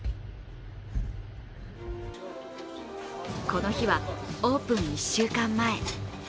この日は、オープン１週間前。